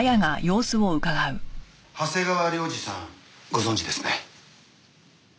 長谷川亮二さんご存じですね？